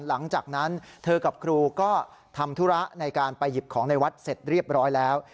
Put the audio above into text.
หลังจากนั้นเธอกับครูก็ทำธุระในการไปหยิบของในวัดเสร็จเรียบร้อยแล้ว